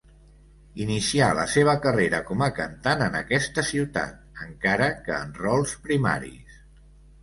Inicià la seva carrera com a cantant en aquesta ciutat, encara que en rols primaris.